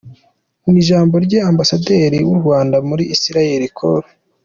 Mu ijambo rye, Ambasaderi w’u Rwanda muri Israel, Col.